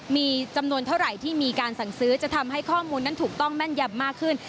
มีจำนวนเท่าไหร่ที่มีการสั่งซื้อจะทำให้ข้อมูลนั้นถูกต้องแม่นยำมากขึ้น